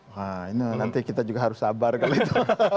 nah ini nanti kita juga harus sabar kali itu